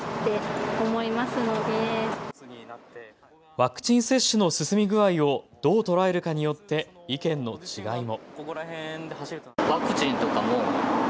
ワクチン接種の進み具合をどう捉えるかによって意見の違いも。